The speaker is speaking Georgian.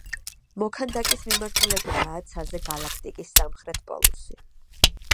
მოქანდაკის მიმართულებითაა ცაზე გალაქტიკის სამხრეთ პოლუსი.